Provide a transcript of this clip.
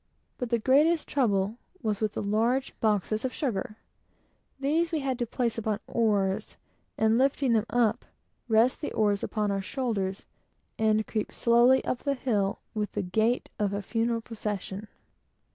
But the greatest trouble was with the large boxes of sugar. These, we had to place upon oars, and lifting them up rest the oars upon our shoulders, and creep slowly up the hill with the gait of a funeral procession.